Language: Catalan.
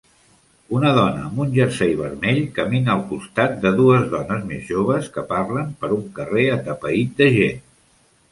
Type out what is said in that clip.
Una dona amb un jersei vermell camina al costat de dues dones més joves que parlen per un carrer atapeït de gent.